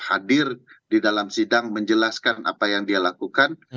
hadir di dalam sidang menjelaskan apa yang dia lakukan